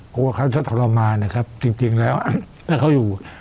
กลัวเขาจะทรมานนะครับจริงแล้วถ้าเขาอยู่